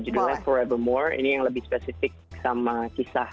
judulnya forevermore ini yang lebih spesifik sama kisah